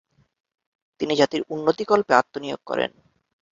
তিনি জাতির উন্নতিকল্পে আত্মনিয়োগ করেন।